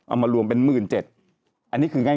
เอามารวมเป็น๑๗๐๐อันนี้คือง่าย